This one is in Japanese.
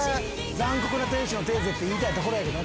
『残酷な天使のテーゼ』って言いたいところやけどな。